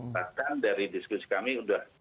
bahkan dari diskusi kami sudah